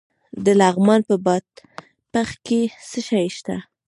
د لغمان په بادپخ کې څه شی شته؟